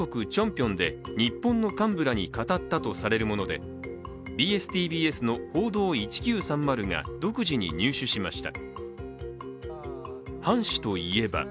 ピョンで日本の幹部らに語ったとされるもので、ＢＳ−ＴＢＳの「報道１９３０」が独自に入手しました。